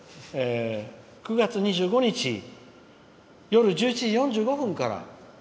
９月２５日土曜日夜１１時４５分から。